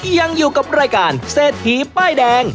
ยังอยู่กับรายการเศรษฐีป้ายแดง